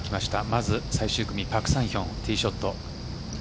まず最終組パク・サンヒョンティーショット。